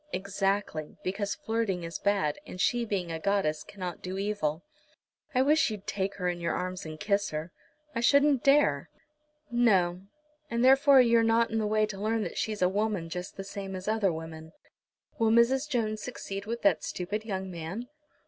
"Exactly; because flirting is bad, and she being a goddess cannot do evil. I wish you'd take her in your arms and kiss her." "I shouldn't dare." "No; and therefore you're not in the way to learn that she's a woman just the same as other women. Will Mrs. Jones succeed with that stupid young man?"